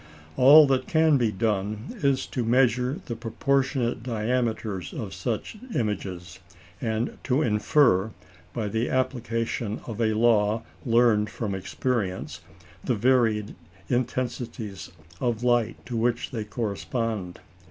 All that can be done is to measure the proportionate diameters of such images, and to infer, by the application of a law learned from experience, the varied intensities of light to which they correspond.